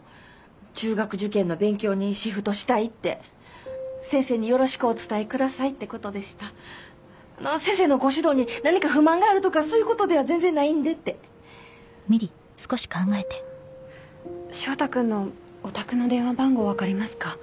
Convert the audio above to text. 中学受験の勉強にシフトしたいって先生によろしくお伝えくださいってことでした先生のご指導に何か不満があるとかそういうことでは全然ないんでって翔太君のお宅の電話番号わかりますか？